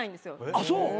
あっそう？